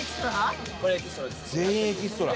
「全員エキストラ」